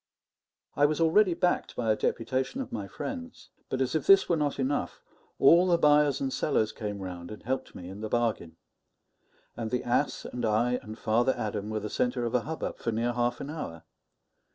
I was already backed by a deputation of my friends; but as if this were not enough, all the buyers and sellers came round and helped me in the bargain; and the ass and I and Father Adam were the centre of a hubbub for near half an hour.